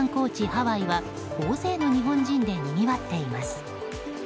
ハワイは大勢の日本人でにぎわっています。